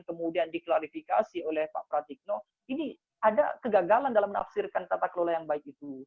kemudian diklarifikasi oleh pak pratikno ini ada kegagalan dalam menafsirkan tata kelola yang baik itu